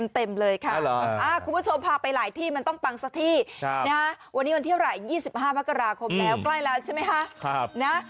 เต็มเลยค่ะคุณผู้ชมพาไปหลายที่มันต้องปังซะที่นะวันนี้วันเที่ยวไหร่๒๕มกราคมแล้วใกล้แล้วใช่ไหมคะครับนะ